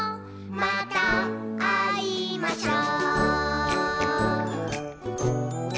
「またあいましょう」